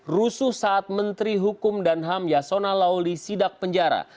rusuh saat menteri hukum dan ham yasona lauli sidak penjara